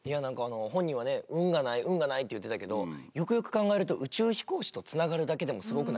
本人はね運がない運がないって言ってたけどよくよく考えると宇宙飛行士とつながるだけでもすごくないですか？